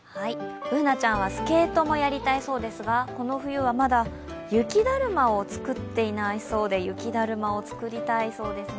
Ｂｏｏｎａちゃんはスケートもやりたいそうですがこの冬はまだ雪だるまを作っていないそうすで、雪だるまを作りたいそうですね。